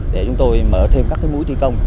để chúng tôi mở thêm các mũi thi công